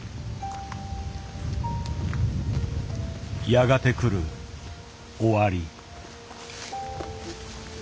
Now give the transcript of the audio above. やがて来る終わり。